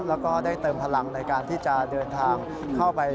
แล้วก็ได้เติมพลังในการที่จะเดินทางเข้าไป